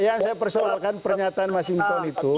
yang saya persoalkan pernyataan mas hinton itu